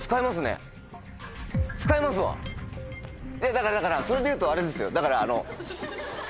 だからだからそれでいうとあれですよだからあの。